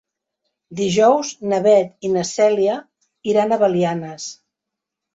Dijous na Beth i na Cèlia iran a Belianes.